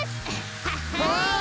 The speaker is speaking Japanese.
はっはい！